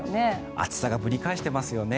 暑さがぶり返していますよね。